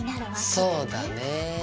そうだねぇ。